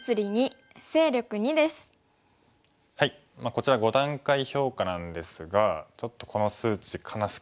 こちら５段階評価なんですがちょっとこの数値悲しくないですか？